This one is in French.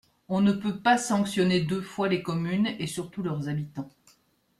On ne peut pas sanctionner deux fois les communes et surtout leurs habitants.